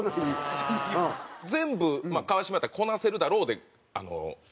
全部川島やったらこなせるだろうで押さえられて。